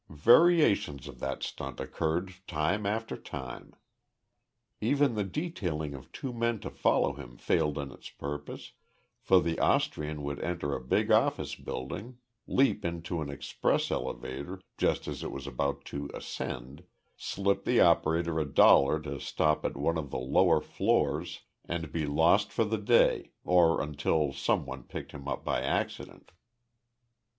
Variations of that stunt occurred time after time. Even the detailing of two men to follow him failed in its purpose, for the Austrian would enter a big office building, leap into an express elevator just as it was about to ascend, slip the operator a dollar to stop at one of the lower floors, and be lost for the day or until some one picked him up by accident.